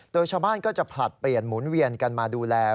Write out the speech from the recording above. โดยชาวบ้านก็จะผลัดเปลี่ยนหมุนเวียนกันมาดูแล